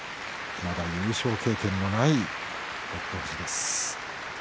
まだ優勝経験のない北勝富士です。